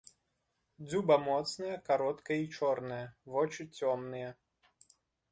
Дзюба моцная, кароткая і чорная, вочы цёмныя.